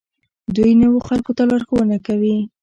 دوی نویو خلکو ته لارښوونه کوي.